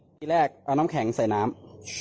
ทีแรกเอาน้ำแข็งใส่น้ำ